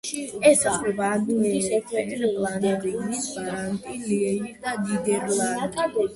ესაზღვრება ანტვერპენი, ფლამანდიის ბრაბანტი, ლიეჟი და ნიდერლანდები.